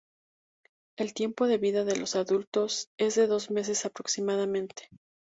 El tiempo de vida de los adultos es de dos meses aproximadamente.